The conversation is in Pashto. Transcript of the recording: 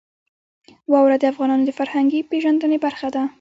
واوره د افغانانو د فرهنګي پیژندنې برخه ده.